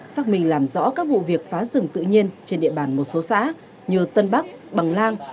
xác minh làm rõ các vụ việc phá rừng tự nhiên trên địa bàn một số xã như tân bắc bằng lang